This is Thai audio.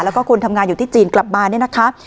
แล้วก็คนทำงานอยู่ที่จีนกลับมาเนี่ยนะคะ